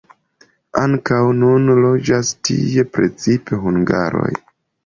Ankaŭ nun loĝas tie precipe hungaroj.